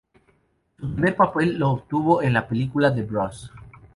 Su primer papel lo obtuvo en la película "The Bros.